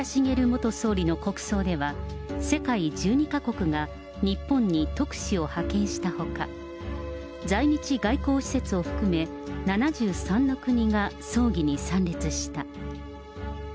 元総理の国葬では、世界１２か国が日本に特使を派遣したほか、在日外交使節を含め、７３の国が葬儀に参列した。